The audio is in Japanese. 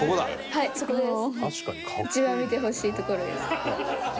はいそこです。